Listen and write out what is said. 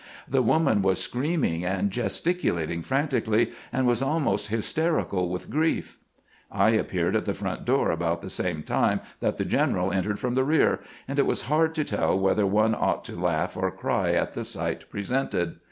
The woman was screaming and gesticulating frantically, and was almost hysterical with grief. I appeared at the front door about the same time that the general entered fronl the rear, and it was hard to .teU whether one ought to laugh or cry at the sight presented.